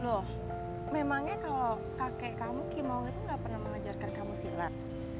loh memangnya kalau kakek kamu kimo itu gak pernah mengajarkan kamu silat